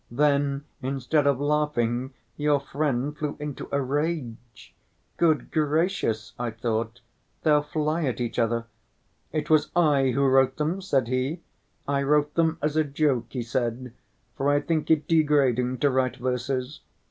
Then, instead of laughing, your friend flew into a rage. 'Good gracious!' I thought, 'they'll fly at each other.' 'It was I who wrote them,' said he. 'I wrote them as a joke,' he said, 'for I think it degrading to write verses....